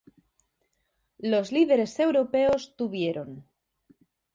Los líderes europeos tuvieron.